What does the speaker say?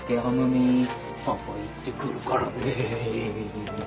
パパ行ってくるからね。